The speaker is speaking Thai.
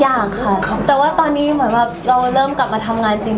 อยากค่ะแต่ว่าตอนนี้เหมือนแบบเราเริ่มกลับมาทำงานจริง